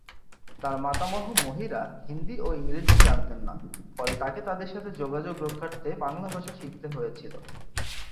তার মাতামহ-মহীরা হিন্দি ও ইংরেজি জানতেন না, ফলে তাকে তাদের সাথে যোগাযোগ রক্ষার্থে বাংলা ভাষা শিখতে হয়েছিল।